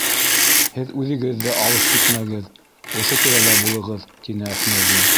Һеҙ үҙегеҙ ҙә алыҫ китмәгеҙ, ошо тирәлә булығыҙ, — тине Әхмәҙи.